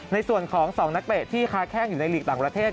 ในส่วนของ๒นักเตะที่ค้าแข้งอยู่ในหลีกต่างประเทศ